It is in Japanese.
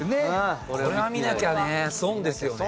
これは見なきゃね損ですよね。